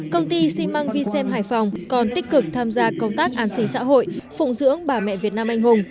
công ty ximang visem hải phòng còn tích cực tham gia công tác an sinh xã hội phụng dưỡng bà mẹ việt nam anh hùng